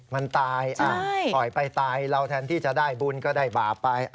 มันตายปล่อยไปตายเราแทนที่จะได้บุญก็ได้บาปไป